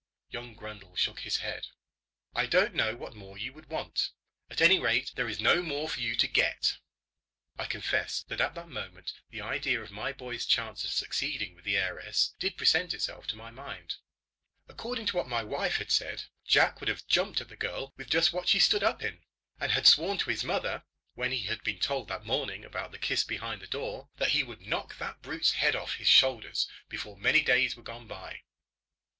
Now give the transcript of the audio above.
Young Grundle shook his head. "I don't know what more you would want. At any rate, there is no more for you to get." I confess that at that moment the idea of my boy's chance of succeeding with the heiress did present itself to my mind. According to what my wife had said, Jack would have jumped at the girl with just what she stood up in; and had sworn to his mother, when he had been told that morning about the kiss behind the door, that he would knock that brute's head off his shoulders before many days were gone by.